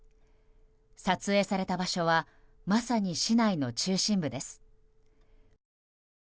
撮影された場所はまさに市内の中心部です。